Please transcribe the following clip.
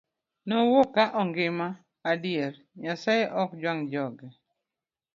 Nowuok ka ongima, adier Nyasaye ok jwang' joge.